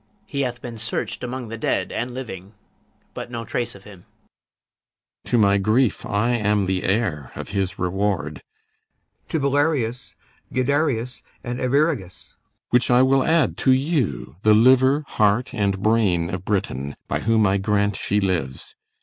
PISANIO. He hath been search'd among the dead and living, But no trace of him. CYMBELINE. To my grief, I am The heir of his reward; [To BELARIUS, GUIDERIUS, and ARVIRAGUS] which I will add To you, the liver, heart, and brain, of Britain, By whom I grant she lives.